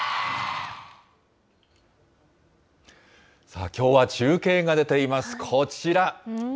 さあきょうは中継が出ています。